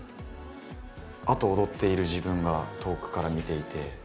あと踊っている自分が遠くから見ていて。